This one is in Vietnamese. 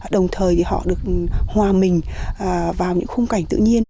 đồng thời thì họ được hòa mình vào những khung cảnh tự nhiên